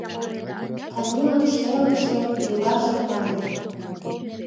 Танилан шелыкше леваш йымалне.